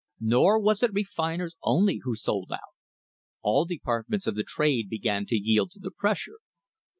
Nor was it refiners only who sold out. All departments of the trade began to yield to the pressure.